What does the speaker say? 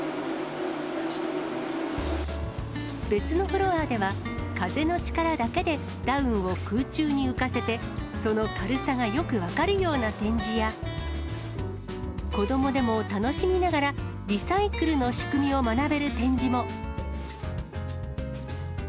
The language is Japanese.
別のフロアでは、風の力だけでダウンを空中に浮かせて、その軽さがよく分かるような展示や、子どもでも楽しみながらリサイクルの仕組みを学べる展示も。